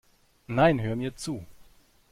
Nein, hör mir zu!